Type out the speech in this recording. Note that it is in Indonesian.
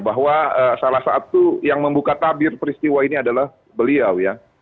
bahwa salah satu yang membuka tabir peristiwa ini adalah beliau ya